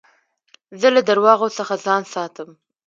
زه له درواغو څخه ځان ساتم.